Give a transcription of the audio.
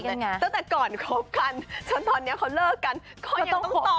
ตั้งแต่ก่อนครบกันถ้าตอนนี้เขาเลิกกันก็ยังต้องตอบ